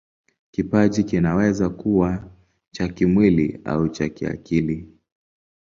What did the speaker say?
Kipaji kinaweza kuwa cha kimwili au cha kiakili.